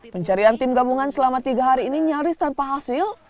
pencarian tim gabungan selama tiga hari ini nyaris tanpa hasil